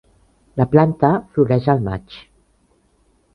La planta floreix al maig.